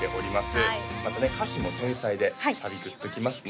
はいまたね歌詞も繊細でサビグッときますね